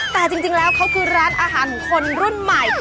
แต่จริงแล้วเขาคือร้านอาหารของคนรุ่นใหม่